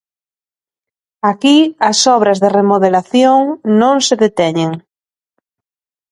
Aquí, as obras de remodelación non se deteñen.